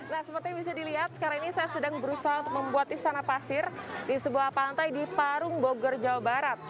nah seperti bisa dilihat sekarang ini saya sedang berusaha untuk membuat istana pasir di sebuah pantai di parung bogor jawa barat